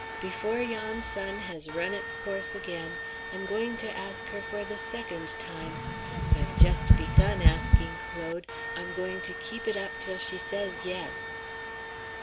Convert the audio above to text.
Before yon sun has run its course again, I'm going to ask her for the second time. I've just begun asking, Claude; I'm going to keep it up till she says yes."